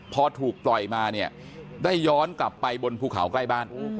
พอถูกปล่อยมาเนี่ยได้ย้อนกลับไปบนภูเขาใกล้บ้าน